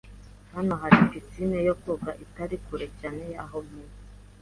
Hano hari pisine yo koga itari kure cyane y'aho ntuye.